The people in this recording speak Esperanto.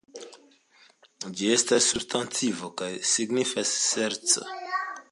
Ĝi estas substantivo kaj signifas ŝerco.